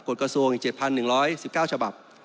กฎกระทรวง๗๑๑๙ฉบับ